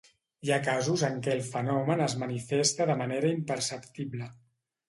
Hi ha casos en què el fenomen es manifesta de manera imperceptible.